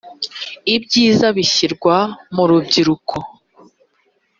ibyiza bishyirwa murubyiruko.